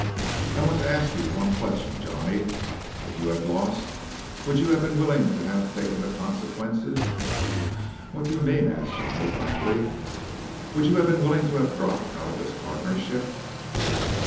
I want to ask you one question, Johnny. If you had lost, would you have been willing to have taken the consequences?" "What do you mean?" asked Johnny blankly. "Would you have been willing to have dropped out of this partnership?"